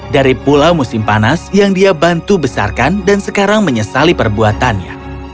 dari pula musim panas yang dia bantu besarkan dan sekarang menyesali perbuatannya